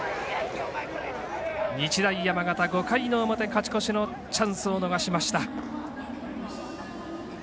日大山形、５回の表勝ち越しのチャンスを逃しました。